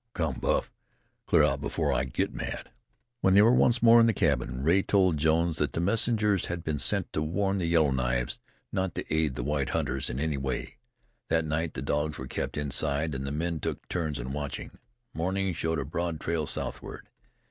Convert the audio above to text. Come, Buff, clear out before I get mad." When they were once more in the cabin, Rea told Jones that the messengers had been sent to warn the Yellow Knives not to aid the white hunters in any way. That night the dogs were kept inside, and the men took turns in watching. Morning showed a broad trail southward.